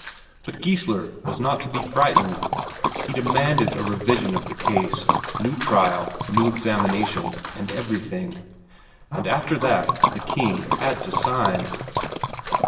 But Geissler was not to be frightened; he demanded a revision of the case, new trial, new examination, and everything. And after that the King had to sign.